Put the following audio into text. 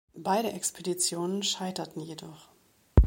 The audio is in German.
Beide Expeditionen scheiterten jedoch.